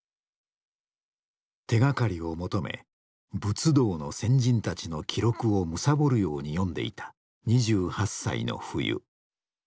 手がかりを求め仏道の先人たちの記録を貪るように読んでいた２８歳の冬。